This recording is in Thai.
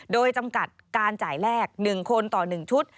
โดยจำกัดการจ่ายแรก๑คนต่อ๑ชุด